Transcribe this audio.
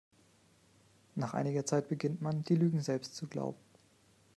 Nach einiger Zeit beginnt man, die Lügen selbst zu glauben.